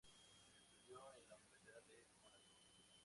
Estudió en la Universidad de Mónaco.